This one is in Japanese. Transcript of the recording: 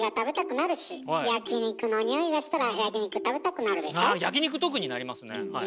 あ焼き肉特になりますねはい。